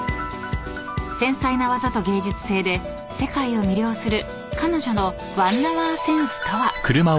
［繊細な技と芸術性で世界を魅了する彼女の］